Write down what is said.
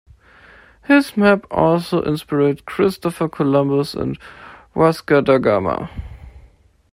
His map also inspired Christopher Columbus and Vasco Da Gama.